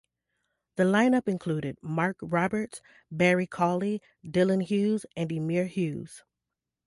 The line-up included Mark Roberts, Barry Cawley, Dylan Hughes and Emyr Hughes.